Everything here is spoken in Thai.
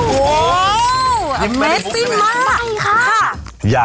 ขอบคุณครับ